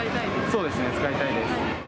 そうですね、使いたいです。